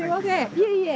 いえいえ。